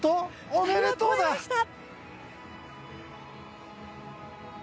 おめでとうございます。